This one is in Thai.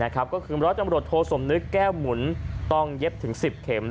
ก็คือร้อยตำรวจโทสมนึกแก้วหมุนต้องเย็บถึง๑๐เข็ม